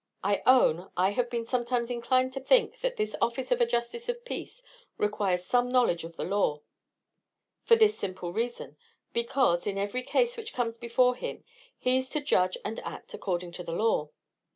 I own, I have been sometimes inclined to think that this office of a justice of peace requires some knowledge of the law: for this simple reason; because, in every case which comes before him, he is to judge and act according to law.